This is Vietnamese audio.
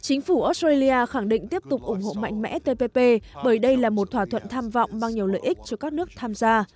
chính phủ australia khẳng định tiếp tục ủng hộ mạnh mẽ tpp bởi đây là một thỏa thuận tham vọng mang nhiều lợi ích cho các nước tham gia